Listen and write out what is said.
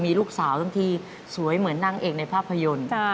มีลูกสาวทั้งทีสวยเหมือนนางเอกในภาพยนตร์